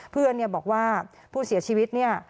เพื่อนบอกว่าผู้เสียชีวิตเนี่ย